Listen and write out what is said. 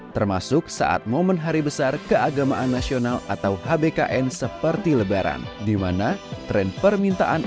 termasuk saat momen hari besar keagamaan nasional atau hbkn seperti lebaran dimana tren permintaan